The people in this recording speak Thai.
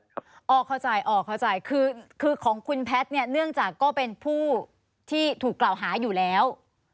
อ๋อเข้าใจอ๋อเข้าใจคือคือของคุณแพทย์เนี่ยเนื่องจากก็เป็นผู้ที่ถูกกล่าวหาอยู่แล้ว